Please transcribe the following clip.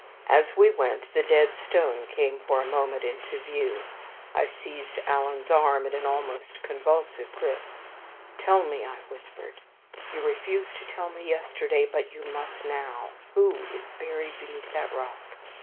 As we went, the Dead Stone came for a moment into view. I seized Alan's arm in an almost convulsive grip. "Tell me," I whispered, "you refused to tell me yesterday, but you must now, who is buried beneath that rock?"